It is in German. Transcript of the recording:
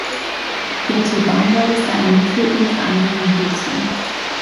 Bt-Baumwolle sei ein Mittel unter anderen hierzu.